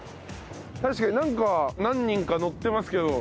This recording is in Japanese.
確かになんか何人か乗ってますけど。